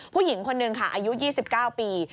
ผู้หญิงคนหนึ่งค่ะอายุ๒๙ปี